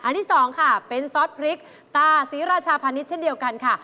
ที่สองค่ะเป็นซอสพริกตาศรีราชาพาณิชยเช่นเดียวกันค่ะ